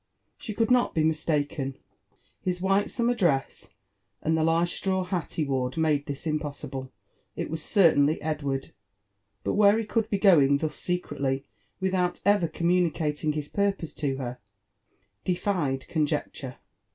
Siie could uoi be mistaken, his white summer 4rea» and the large straw hat lie wore made this impossible : it was car * tam^y Edward; but where he eould be going thussecretW^ wilhoul ever communiealing his purpose to ber, defied conjecluro.